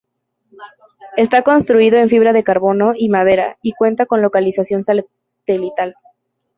Está construido en fibra de carbono y madera, y cuenta con localización satelital.